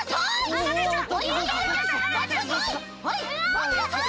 まちなさい！